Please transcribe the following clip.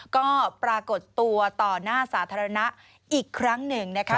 ก็ปรากฏตัวต่อหน้าสาธารณะอีกครั้งหนึ่งนะคะ